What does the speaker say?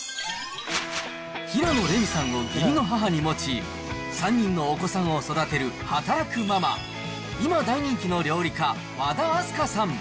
平野レミさんを義理の母に持ち、３人のお子さんを育てる働くママ、今大人気の料理家、和田明日香さん。